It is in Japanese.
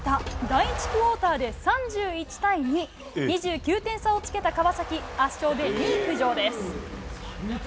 第１クオーターで３１対２、２９点差をつけた川崎、圧勝で２位浮上です。